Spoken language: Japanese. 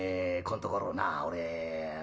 こんところな俺あの」。